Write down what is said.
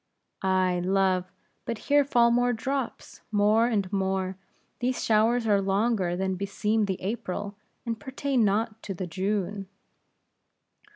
"Ay, love! but here fall more drops, more and more; these showers are longer than beseem the April, and pertain not to the June."